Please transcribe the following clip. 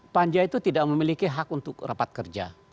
panja itu tidak memiliki hak untuk rapat kerja